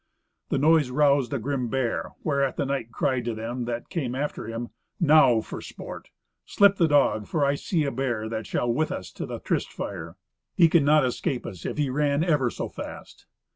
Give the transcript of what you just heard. The noise roused a grim bear, whereat the knight cried to them that came after him, "Now for sport! Slip the dog, for I see a bear that shall with us to the tryst fire. He cannot escape us, if he ran ever so fast."